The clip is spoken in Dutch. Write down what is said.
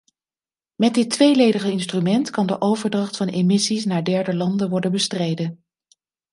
Met dit tweeledige instrument kan de overdracht van emissies naar derde landen worden bestreden.